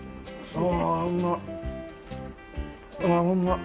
うわうまっ！